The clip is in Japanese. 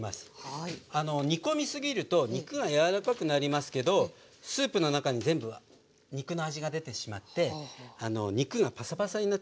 煮込み過ぎると肉が柔らかくなりますけどスープの中に全部肉の味が出てしまって肉がパサパサになってしまいます。